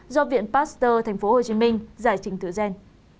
do viện pasteur tp hcm giải trình thử gian